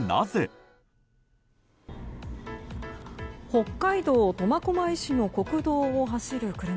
北海道苫小牧市の国道を走る車。